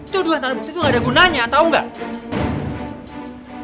tuduhan tanpa bukti itu gak ada gunanya tau gak